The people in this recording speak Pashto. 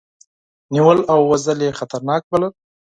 نیول او وژل یې خطرناک بلل.